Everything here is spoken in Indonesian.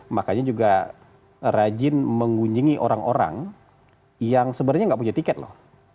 makanya juga rajin mengunjungi orang orang yang sebenarnya nggak punya tiket loh